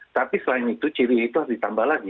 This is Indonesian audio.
tapi selain itu cirinya itu harus ditambah lagi